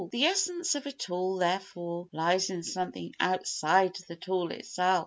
The essence of a tool, therefore, lies in something outside the tool itself.